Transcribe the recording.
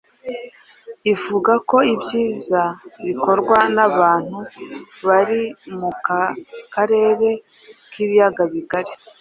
ivuga ko ibyiza bikorwa n'abantu bari muri aka karere k'ibiyaga bigari